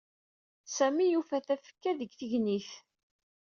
Sami yuffa tafekka deg tegnit.